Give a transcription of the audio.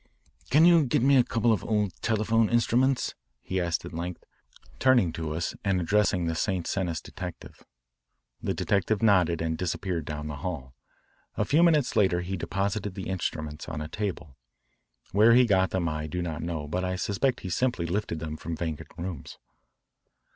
"Can you get me a couple of old telephone instruments?" he asked at length, turning to us and addressing the St. Cenis detective. The detective nodded and disappeared down the hall. A few minutes later he deposited the instruments on a table. Where he got them I do not know, but I suspect he simply lifted them from vacant rooms.